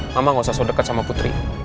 mama gak usah so deket sama putri